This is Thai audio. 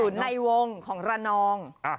อยู่ในวงของระนอง